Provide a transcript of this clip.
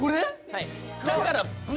はい。